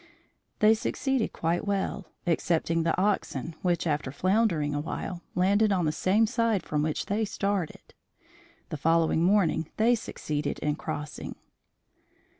They succeeded quite well, excepting the oxen, which, after floundering awhile, landed on the same side from which they started. The following morning they succeeded in crossing.